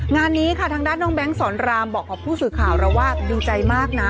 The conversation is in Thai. งานนี้ค่ะทางด้านน้องแบงค์สอนรามบอกกับผู้สื่อข่าวเราว่าดูใจมากนะ